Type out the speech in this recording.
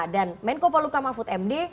dan menko paluka mahfud md